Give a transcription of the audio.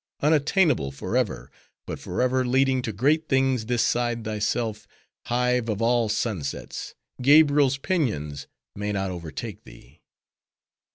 Unattainable forever; but forever leading to great things this side thyself!—Hive of all sunsets!— Gabriel's pinions may not overtake thee!